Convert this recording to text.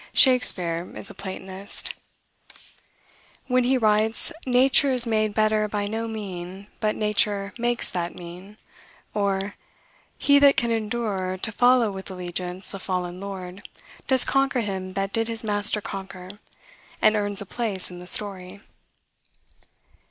Shakspeare is a Platonist, when he writes, "Nature is made better by no mean, but nature makes that mean," or, "He that can endure To follow with allegiance a fallen lord, Does conquer him that did his master conquer, And earns a place in the story."